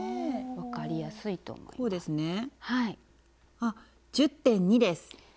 あっ１０．２です。